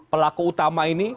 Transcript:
pelaku utama ini